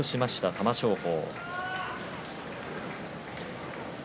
玉正鳳。